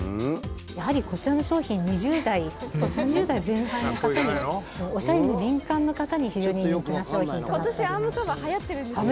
やはり、こちらの商品２０代と３０代前半の方におしゃれに敏感な方に、非常に人気な商品となっております。